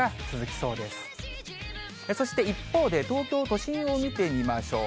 そして一方で、東京都心を見てみましょう。